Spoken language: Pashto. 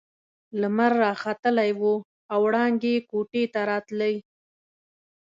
لمر راختلی وو او وړانګې يې کوټې ته راتلې.